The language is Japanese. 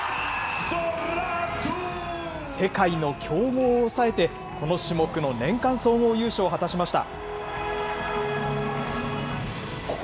世界の強豪を抑えて、この種目の年間総合優勝を果たしました。